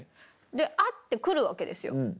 で「あっ」て来るわけですよ。